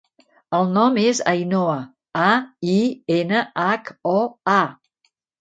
El nom és Ainhoa: a, i, ena, hac, o, a.